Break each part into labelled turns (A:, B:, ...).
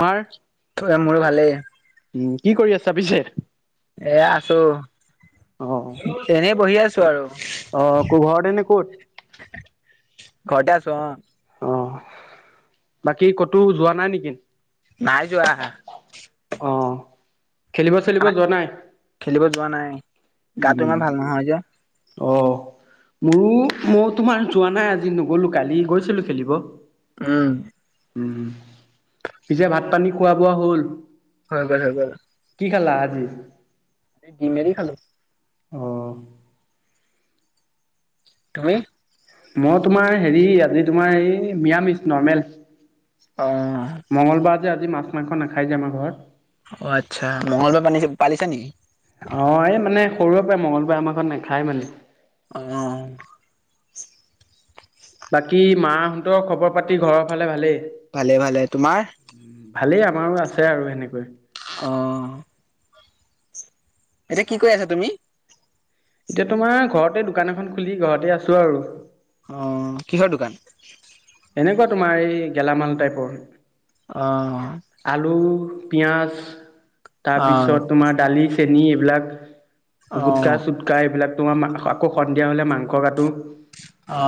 A: পৰ
B: [unintelligible] মোৰ ভালেই।
A: উম, কি কৰি আছা পিছে?
B: এ আছো।
A: অ
B: এনেই বহি আছো আৰু।
A: অ ক ঘৰতে নে ক'ত
B: ঘৰতে আছো অ'।
A: অ', বাকী কতো যোৱা নাই নেকি?
B: নাই যোৱা।
A: অ খেলিব চেলিব
B: খানা
A: যোৱা নাই?
B: খেলিব যোৱা নাই গাটো ইমান
A: উ।
B: ভাল নহয় যে
A: অ'। মোৰো মই তোমাৰ যোৱা নাই আজি, নগ'লো কালি গৈছিলো খেলিব।
B: উম।
A: উম, পিছে ভাত পানী খোৱা বোৱা হ'ল?
B: হৈ গল, হৈ গল।
A: কি খালা আজি?
B: [unintelligible] খালো।
A: অ'।
B: তুমি?
A: মই তোমাৰ হেৰি, আজি তোমাৰ এই নিৰামিচ নৰ্মেল।
B: অ'।
A: মঙগলবাৰ যে আজি মাছ মাংস নাখাই যে আমাৰ ঘৰত।
B: অ', আচ্ছা মংগলবাৰ পানিছে পালিছা নেকি?
A: অ এই মানে সৰুৰে পৰাই মঙলবাৰে আমাৰ ঘৰত নাখায় মানে।
B: অ অ।
A: বাকী মাহঁতৰ খবৰ - পাতি ঘৰৰ ফালে ভালেই?
B: ভালে ভালে, তোমাৰ?
A: ভালেই আমাৰো আছে আৰু এনেকৈ।
B: অ। এতিয়া কি কৰি আছা তুমি?
A: এতিয়া তোমাৰ ঘৰতে দোকান এখন খুলি ঘৰতে আছো আৰু।
B: অ কিহৰ দোকান?
A: এনেকুৱা তোমাৰ এই গেলামাল টাইপৰ।
B: অ অ।
A: আলু, পিয়াজ
B: অ
A: তাৰপিছত তোমাৰ দালি চেনী এইবিলাক
B: অ
A: গুটকা, চুট কা এইবিলাক তোমাৰ মা আকৌ সন্ধিয়া হলে মাংস কাটো।
B: অ,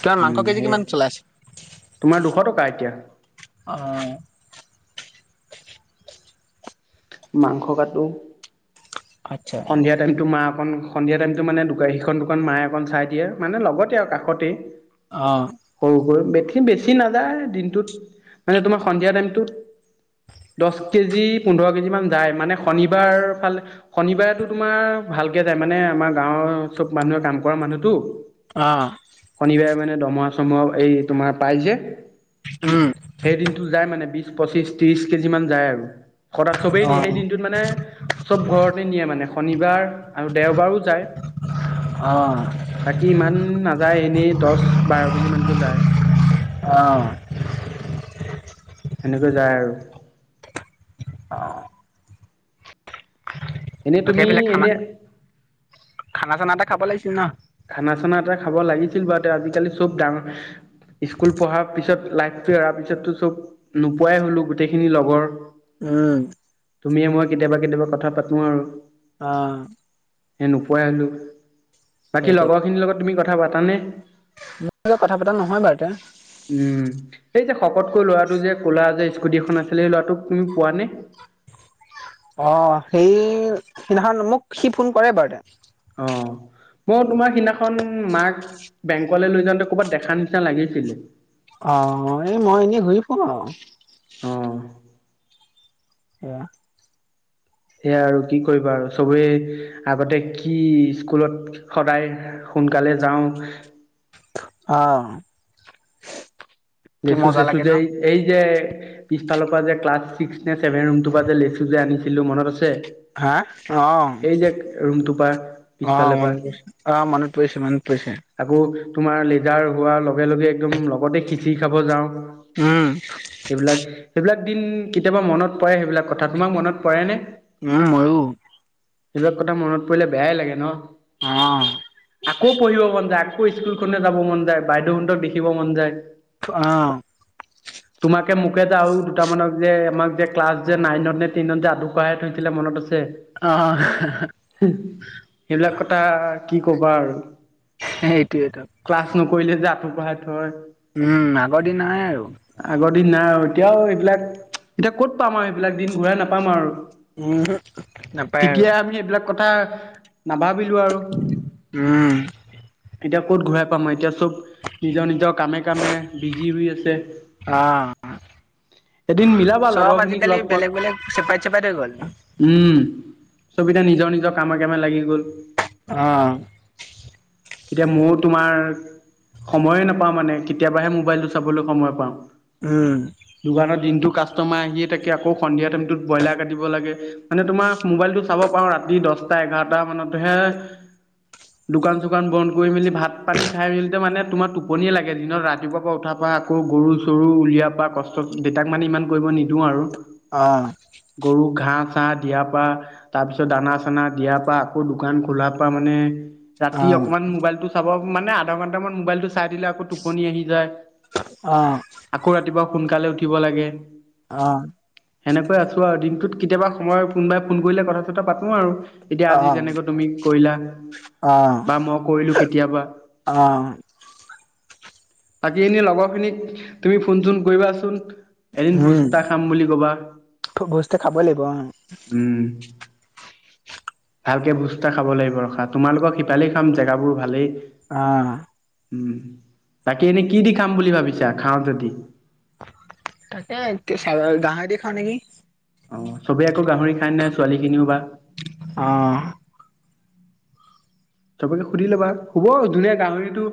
B: তোমাৰ
A: উম
B: মাংস কেজি
A: সেয়ে
B: কিমান চলি আছে?
A: তোমাৰ দুশ টকা এতিয়া।
B: অ।
A: মাংস কাটো।
B: আচ্ছা
A: সন্ধিয়া টাইমটো মা অকণ সন্ধিয়া টাইমটো মানে দোকান সেইখন দোকান মায়ে অকণ চাই দিয়ে মানে লগতে আৰু কাষতেই।
B: অ।
A: সৰু সৰু বেথী বেছি নাযায় দিনটোত মানে তোমাৰ সন্ধিয়া টাইমটোত দছ কেজি, পোন্ধৰ কেজি মান যায় মানে শনিবাৰ ফালে শনিবাৰেতো তোমাৰ ভালকে যায় মানে আমাৰ গাঁৱৰ চব মানুহে কাম কৰা মানুহতো
B: অ।
A: শনিবাৰে মানে দৰমহা - চৰমহা এই তোমাৰ পাই যে
B: উম
A: সেই দিনটো যায় মানে বিশ, পঁচিশ, ত্ৰিশ কেজি মান যায় আৰু। সদাক চবেই দি সেই
B: অ
A: দিনটোত মানে চব ঘৰতে নিয়ে মানে শনিবাৰ আৰু দেওবাৰো যায়।
B: অ।
A: বাকী ইমান নাযায় এনেই দছ, বাৰ কেজি মানকৈ যায়।
B: অঁ।
A: এনেকৈ যায় আৰু।
B: অ।
A: এনেই
B: অ
A: তুমি
B: সেইফালে খানা,
A: এনে
B: খানা চানা এটা খাব লাগিছিল ন?
A: খানা - চানা এটা খাব লাগিছিল বাৰুতে আজিকালি চব দাম। স্কুল পঢ়াৰ পিছত লাইফটো অহাৰ পিছতো চব নোপোৱাই হ'লো গোটেইখিনি লগৰ।
B: উম।
A: তুমিয়ে মই কেতিয়াবা কেতিয়াবা কথা পাতো আৰু।
B: অ।
A: এ নোপোৱাই হলো, বাকী
B: সেইটোৱেটো।
A: লগৰখিনিৰ লগত তুমি কথা পাতানে?
B: মোৰ কথা পতা নহয় বাৰু এতিয়া।
A: উম, সেই যে শকতকৈ ল'ৰাটো যে ক'লা যে স্কুটিখন আছিলে ল'ৰাটোক তুমি পোৱা নে?
B: অ সেই সেইদিনাখন মোক সি ফোন কৰে বাৰু দে।
A: অ। মই তোমাৰ সিদিনাখন, মাক বেংকলৈ লৈ যাওঁতে, ক'ৰবাত দেখা নিচিনা, লাগিছিলে।
B: অ'! এই মই, এনেই ঘূৰি-ফুৰোঁ আৰু।
A: অ
B: এইয়া।
A: সেয়া আৰু কি কৰিবা আৰু! চবৰে, আগতে কি স্কুলত সদায়, সোনকালে যাওঁ।
B: অ'! কি মজা লাগে ন?
A: [unintelligible] এই যে, পিছালৰ পৰা যে, ক্লাছ চিক্স নে ছেভেন ৰুমটোৰ পৰা যে, লেচু যে, আনিছিলোঁ, মনত আছে?
B: হাঁ, অ'!
A: এই যে [unintelligible]
B: অ'!
A: পৰা
B: মনত পৰিছে, অ'! মনত পৰিছে, মনত পৰিছে।
A: আকৌ তোমাৰ, [unintelligible] হোৱাৰ লগে-লগে একদম, লগতে খিচিৰি খাব যাওঁ।
B: উম,
A: এইবিলাক, সেইবিলাক দিন কেতিয়াবা মনত পৰে, সেইবিলাক কথা। তোমাক মনত পৰেনে?
B: উম, মইয়ো।
A: সেইবিলাক কথা মনত পৰিলে, বেয়াই লাগে ন'!
B: অ'!
A: আকৌ, পঢ়িব মন যায়, আকৌ, স্কুলখনলে যাব মন যায়, বাইদেউহঁতক দেখিব মন যায়!
B: অ'!
A: তোমাকে মোকে যে আৰু দুটামানক যে, আমাক যে, ক্লাছ যে, নাইনত নে টেনত যে, আঠু কঢ়াই থৈছিলে, মনত আছে?
B: অ'! [unintelligible]
A: সেইবিলাক কথা, কি ক'বা আৰু!
B: সেইটোৱেতো।
A: ক্লাছ নকৰিলে যে, আঠু কঢ়াই থয়।
B: উম, আগৰ দিন নাই আৰু।
A: আগৰ দিন নাই আৰু। এতিয়াও এইবিলাক, এতিয়া ক'ত পাম আৰু সেইবিলাক দিন ঘূৰাই নাপাম আৰু।
B: উমহু নাপায় আৰু
A: তেতিয়া আমি, এইবিলাক কথা, নাভাবিলোঁ আৰু।
B: উম!
A: এতিয়া ক'ত ঘূৰাই পাম আৰু! এতিয়া চব, নিজৰ- নিজৰ, কামে-কামে বিজি হৈ আছে।
B: অ'!
A: এদিন মিলাবা লগৰ
B: চব
A: খিনিক
B: আজিকালি,
A: লগ পোৱা
B: বেলেগ-বেলেগ চেপাৰেট- চেপাৰেট হৈ গ'ল।
A: উম, চব এতিয়া, নিজৰ-নিজৰ কামে-কামে লাগি গ'ল।
B: অ'!
A: এতিয়া, মোৰ তোমাৰ, সময়ে নাপাওঁ মানে। কেতিয়াবাহে মো মোবাইলটো চাবলৈ সময় পাওঁ।
B: উম!
A: দোকানত দিনটো, কাষ্টমাৰ আহিয়ে থাকে। আকৌ, সন্ধিয়া টাইমটোত ব্ৰইলাৰ কাটিব লাগে। মানে তোমাৰ, মোবাইলটো চাব পাৰোঁ, ৰাতি দহটা-এঘাৰটা মানতহে। দোকান-চোকান বন্ধ কৰি-মেলি, ভাত-পানী খাই মেলোতে মানে, তোমাৰ টোপনিয়ে লাগে। দিনত ৰাতিপুৱা পুৱা উঠাৰ পৰা আকৌ, গৰু-চৰু উলিয়া পৰা, [unintelligible] দেউতাক মানে, ইমান কৰিব নিদিওঁ আৰু।
B: অ'!
A: গৰু ঘাঁহ-চাঁহ দিয়াৰ পৰা। তাৰপিছত, দানা-চানা দিয়াৰ পৰা, আকৌ দোকান খোলাৰ পৰা মানে, ৰাতি
B: অ',
A: অকমান, মোবাইলটো চাব, মানে, আধা ঘণ্টামান মোবাইলটো চাই দিলে, আকৌ, টোপনি আহি যায়।
B: [unintelligible] অ'!
A: আকৌ, ৰাতিপুৱা সোনকালে উঠিব লাগে।
B: অ
A: সেনেকৈ আছো আৰু দিনটোত কেতিয়াবা সময় কোনোবাই ফোন কৰিলে কথা চথা পাতো আৰু এতিয়া
B: অ',
A: আজি
B: অ'।
A: যেনেকৈ তুমি কৰিলা
B: অ',
A: বা মই কৰিলো কেতিয়াবা
B: অ'।
A: আজি‌ এনেই লগৰখিনিক তুমি ফোন চোন কৰিবাচোন এদিন
B: উম,
A: ভোজ্তা খাম বুলি কবা।
B: ভোজটো খাব লাগিব অ',
A: উম ভালকে বুজ্তা খাব লাগিব ৰখা তোমালোকক সিপালি একদম। জেগাবোৰ ভালেই
B: অ'
A: উম তাক এনেই কি দি খাম বুলি ভাবিছা খাওঁ যদি
B: তাকে গাঁ দেখাওঁ নেকি।
A: অ চবে আকৌ গাহৰি খাই নাই ছোৱালী খিনিও বা
B: অ'
A: চবকে সুধি লবা হুব ধুনীয়া গাহৰিতটো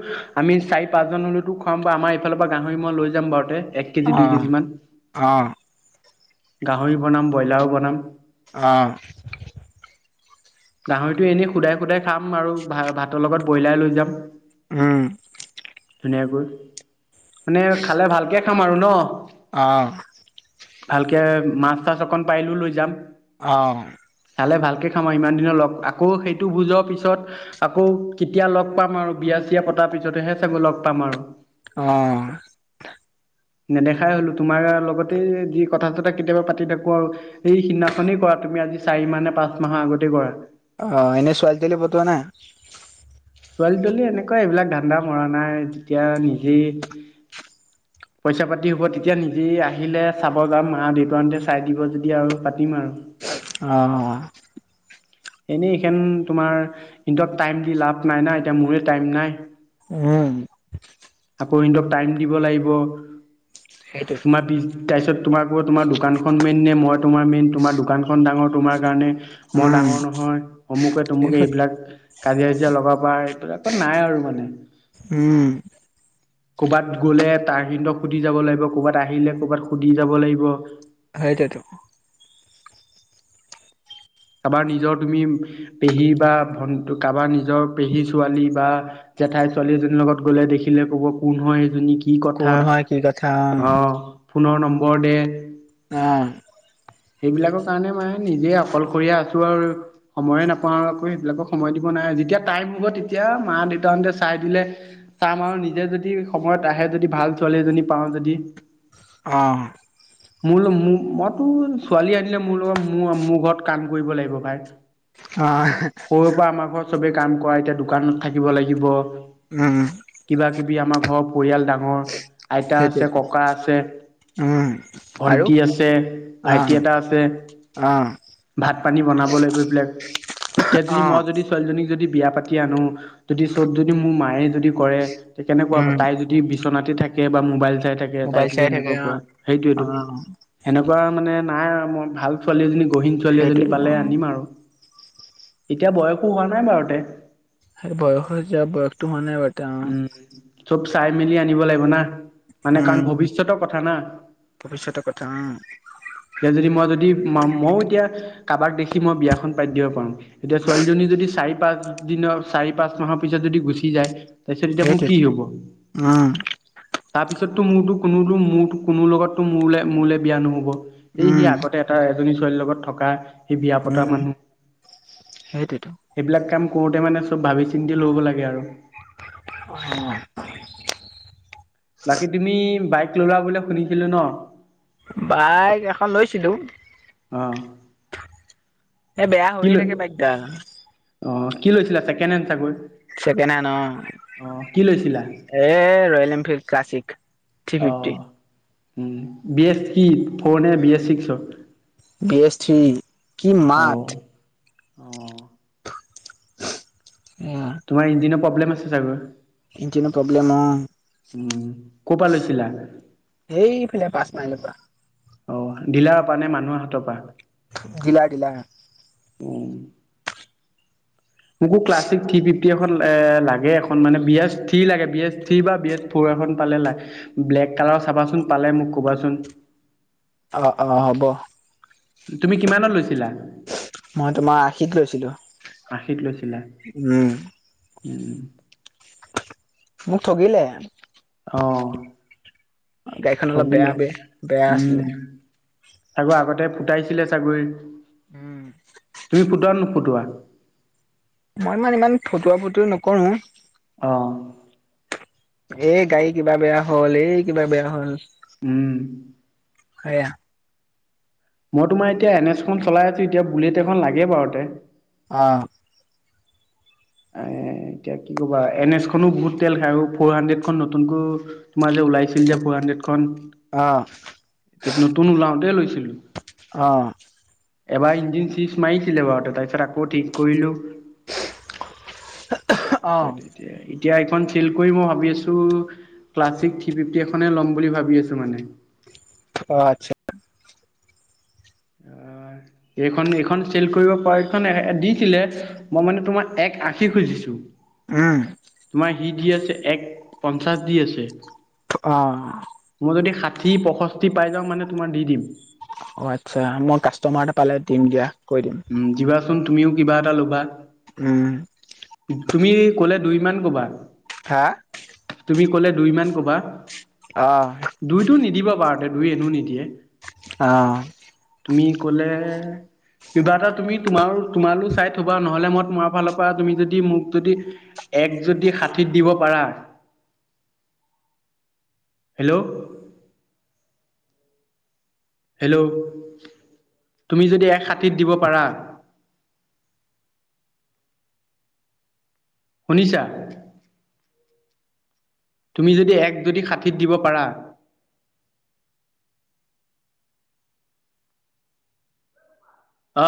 A: আমি চাৰি পাঁচজন হলেতো খুৱাম বা আমাৰ ইফালৰ পৰা গাহৰি মই লৈ যাম বাৰুতে এক কেজি দুই
B: অ',
A: কেজি মান।
B: অ'
A: গাহৰি বনাম ব্ৰইলাৰো বনাম।
B: অ'
A: [inaudible] গাহৰিটো এনেই সোধাই সুধাই খাম আৰু ভ ভাতৰ লগত ব্ৰইলাৰ লৈ যাম।
B: উম
A: ধুনীয়াকৈ মানে খালে ভালকে খাম আৰু ন।
B: অ'
A: ভালকৈ মাছ তাছ অকণ পাৰিলেও লৈ যাম।
B: অ'
A: খালে ভালকে খাম আৰু ইমান দিনৰ লগ আকৌ সেইটো বুজৰ পিছত আকৌ কেতিয়া লগ পাম আৰু বিয়া চয়া পতাৰ পিছতেহে চাগ লগ পাম আৰু।
B: অ'
A: নেদেখাই হলো তোমাৰ লগতে যি কথা চথা কেতিয়াবা পাতি থাকো আৰু এই সিদিনাখনেই কৰা তুমি আজি চাৰি মাহ নে পাঁচ মাহৰ আগতেই কৰা।
B: অ' এনে ছোৱালী-তোৱালী পৰুৱা নাই।
A: ছোৱালী-তোৱালী এনেকুৱা এইবিলাক ধান্দা মৰা নাই যেতিয়া নিজেই পইচা পাতি হব তেতিয়া নিজে আহিলে চাব যা মা দেউতাৰতে চাই দিব যদি আৰু পাতিম আৰু।
B: অঁ
A: এনেই এইখন তোমাৰ কিত টাইম দি লাভ নাই না এতিয়া মোৰে টাইম নাই।
B: উম
A: আকৌ সিন্দক টাইম দিব লাগিব।
B: সেইটো
A: তোমাৰ পছ তাৰপিছত তোমাকো তোমাৰ দোকানখন মেইন নে মই তোমাৰ মেইন তোমাৰ দোকানখন ডাঙৰ তোমাৰ কাৰণে মই
B: উম,
A: ডাঙৰ নহয় অমুকে-তমুকে এইবিলাক কাজিয় কাজিয়া লগাব এইবিলাকত নাই আৰু মানে।
B: উম
A: ক'ৰবাত গ'লে তাৰ সি সুধি যাব লাগিব কৰ'বাত আহিলে কৰ'ৰবাত সুধি যাব লাগিব
B: সেইটোৱেইটো।
A: কাবাৰ নিজৰ তুমি পেহী বা ভন্ কাবাৰ নিজৰ পেহী ছোৱালী বা জেঠাইৰ ছোৱালী এজনীৰ লগত গ'লে দেখিলে ক'ব কোন হয় সেইজনী কি
B: কোন
A: কথা
B: হয় কি কথা
A: অহ ফোনৰ নম্বৰ দে
B: আহ
A: সেইবিলাকৰ কাৰণে মানে নিজে অকলশৰীয়া আছো আৰু সময়ে নাপাওঁ আকৌ সেইবিলাকক সময় দিব নাই যেতিয়া টাইম হ'ব তেতিয়া মা দেউতাহঁতে চাই দিলে চাম আৰু নিজে যদি সময়ত আহে যদি ভাল ছোৱালী এজনী পাওঁ যদি
B: অ
A: মোৰ [unintelligible] মই তো ছোৱালী আনিলে মোৰ লগত মোৰ মোৰ ঘৰত কাম কৰিব লাগিব ভাই
B: অ',
A: সৰুৰ পৰা আমাৰ ঘৰত চবেই কাম কৰা এতিয়া দোকানত থাকিব লাগিব
B: উম
A: কিবা কিবি আমাৰ ঘৰৰ পৰিয়াল ডাঙৰ আইতা আছে
B: সেইটোৱে
A: ককা আছে
B: উম, আৰু
A: ভণ্টি আছে ভাইটি এটা আছে
B: অহ।
A: ভাত পানী বনাব লাগিব এইবিলাক এতিয়া যদি মই
B: অ',
A: যদি ছোৱালী জনীক যদি বিয়া পাতি আনো যদি চব যদি মোৰ মায়ে যদি কৰে তে কেনেকুৱা
B: উম,
A: তাই যদ যদি বিচনাতে থাকে বা মোবাইল চাই থাকে তাই
B: মোবাইল
A: যদি
B: চাই থাকে
A: এনেকোৱা কৰে
B: অ',
A: সেইটোৱে টো
B: অ',
A: এনেকুৱা মানে নাই আৰু মোৰ ভাল ছোৱালী এজনী গহীন ছোৱালী এজনী
B: সেইটোৱে
A: পালে
B: অ',
A: আনিম আৰু এতিয়া বয়সো হোৱা নাই বাৰু তে
B: সেই বয়সৰ হয় যেতিয়া বয়সটো হোৱা নাই বাট
A: উম, চব চাই মেলি আনিব লাগিব না মানে কাৰণ
B: উম,
A: ভৱিষ্যতৰ কথা না।
B: ভৱিষ্যতৰ কথা অহ।
A: এতিয়া যদি মই যদি ময়ো এতিয়া কাৰোবাক দেখি মই বিয়াখন পাতি দিব পাওঁ এতিয়া ছোৱালীজনী যদি চাৰি পাঁচ দিনৰ চাৰি পাঁচ মাহৰ পিছত যদি গুচি যায় তাৰ পিছত এতিয়া মোৰ
B: সেইটোৱে
A: কি হব
B: উম,
A: তাৰপিছততো মোৰো টো কোনোটো মোৰটো কোনো লগতো মোৰ মোলে বিয়া নহ'ব। সেই সি
B: উম,
A: আগতে এটা এজনী ছোৱালীৰ লগত থকা খিসি বিয়া পতা
B: উম,
A: মানুহ
B: সেইটোৱেতো
A: সেইবিলাক কাম কৰোঁতে মানে চব ভাবি চিন্তি ল'ব লাগে আৰু
B: অহ
A: বাকী তুমি বাইক ললা বুলি শুনিছিলো ন
B: বাইক এখন লৈছিলো
A: অহ।
B: এই বেয়া হৈয়ে
A: লৈ
B: থাকে বাইকটা।
A: অ' কি লৈছিলা ছেকেণ্ড হেড চাগৈ,
B: ছেকেণ্ড হেণ্ড অ',
A: অ' কি লৈছিলা?
B: এ Royal Enfield classic three fifty
A: অ', উম বি এছ কি ফ'ৰ নে বি এছ
B: উম,
A: ছিক্সছৰ
B: বি এছ থ্ৰী, কি
A: অ',
B: মাত
A: অ',
B: এয়া
A: তোমাৰ ইঞ্জিনৰ প্ৰব্লেম আছে চাগৈ
B: ইঞ্জিনৰ প্ৰব্লেম
A: উম, ক'ৰ পৰা লৈছিলা?
B: অহ এইফালে পাঁচ মাইলৰ পৰা
A: অ' দিলাৰ পা নে মানুহৰ হাতৰ পা?
B: দিলাৰ দিলা
A: উম। মোকো ক্লাছিক থ্ৰী ফিফটি এখন এ লাগে এখন মানে বি এছ থ্ৰী লাগে, বি এছ থ্ৰী বা বি এ ফৰ এখন পালে লা, ব্লেক কালাৰ চাবাচোন পালে মোক ক'বাচোন।
B: অ' অ' হ'ব।
A: তুমি কিমানত লৈছিলা।
B: মই তোমাৰ আশীত লৈছিলো,
A: আশীত লৈছিলা
B: উম।
A: উম।
B: মোক ঠগিলে।
A: অ
B: গাড়ীখন অলপ বেয়া
A: ঠগিলে
B: বে বেয়া
A: উম।
B: আছিলে
A: আাকৌ আগতে ফুটাইছিলে ছাগৈ।
B: উম।
A: তুমি ফুতোৱা ন নুফুটোৱা।
B: মই মানে ইমান ফুটুৱা ফুটোই নকৰোৱে।
A: অ'।
B: এই গাড়ী কিবা বেয়া হ'ল, এ কিবা বেন হ'ল
A: উম।
B: হেয়া
A: মই তোমাৰ এতিয়া এন এছ খন চলাই আছো, এতিয়া বুলেট এখন লাগে বাৰুকে
B: আ'।
A: এ এতিয়া কি ক'বা এন এছখনো বহুত তেল খাই আৰু ফ'ৰ হাণ্ড্ৰেড খ নতুনকৈ তোমাৰ যে লাইছিল যে ফ'ৰ হাণ্ড্ৰেডখন।
B: আ।
A: [inaudible] নতুন ওলাওতে লৈছিলো।
B: অঁ
A: এবাৰ ইঞ্জিন চিচ মাৰিছিলে বাৰুতে তাৰপিছত আকৌ ঠিক কৰিলোঁ।
B: [unintelligible]
A: সে তেতিয়াই। এতিয়া এইখন থিল কৰি মই ভাবি আছো ক্লাছিক থি ফিফটি এখনে ল'ম বুলি ভাবি আছো মানে।
B: অ আচ্ছা
A: অ এইখন এইখন চেল কৰিব [inaudible] দিছিলে। মই মানে তোমাৰ এক আশি খুজিছো।
B: উম।
A: তোমাৰ সি দি আছে এক পঞ্চাশ দি আছে।
B: অ।
A: মই যদি ষাঠি পয়ষষ্ঠি পাই যাওঁ মানে তোমাৰ দি দিম।
B: অ আচ্ছা মই কাষ্টমাৰটা পালে দিম দিয়া কৈ দিম।
A: উম দিবাচোন তুমিও কিবা এটা ল'বা
B: উম।
A: তুমি ক'লে দুই মান কবা।
B: [unintelligible]
A: তুমি কলে দুই মমান কবা।
B: অ।
A: দুইতো নিদিবা বাৰুতে দুই এনো নিদিয়ে।
B: অ।
A: তুমি ক'লে কিবা এটা তুমি তোমাৰো তোমালইও চাই থবা নহ'লে মই তোমাৰ ফালৰ পৰা তুমি যদি মোক যদি এক যদি ষাঠিত দিব পাৰা হেল্ল'। হেল্ল'। তুমি যদি এক ষাঠিত দিব পাৰা শুনিছা? তুমি যদি এক যদি ষাঠিত দিব পাৰা। অ